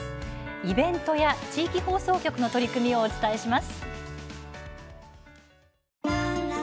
イベントや地域放送局の取り組みをお伝えします。